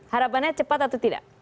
harapannya cepat atau tidak